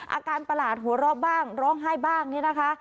ประหลาดหัวเราะบ้างร้องไห้บ้างเนี่ยนะคะ